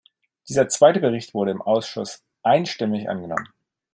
Dieser zweite Bericht wurde im Ausschuss einstimmig angenommen.